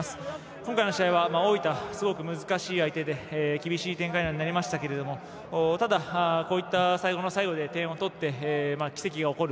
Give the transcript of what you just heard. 今回の試合は大分ですごく難しい相手で厳しい展開になりましたけどもただ、最後の最後で点を取って奇跡が起こる